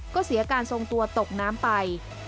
ก็เสียการทรงตัวตกน้ำไป